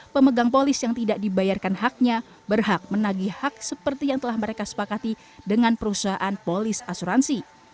pemegang polis yang tidak dibayarkan haknya berhak menagi hak seperti yang telah mereka sepakati dengan perusahaan polis asuransi